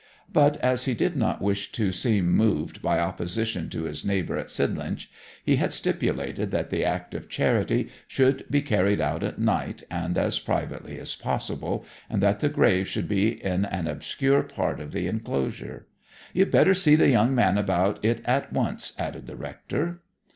But as he did not wish to seem moved by opposition to his neighbour at Sidlinch, he had stipulated that the act of charity should be carried out at night, and as privately as possible, and that the grave should be in an obscure part of the enclosure. 'You had better see the young man about it at once,' added the rector.